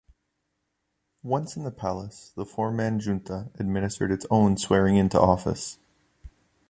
Once in the Palace, the four-man junta administered its own swearing-into office.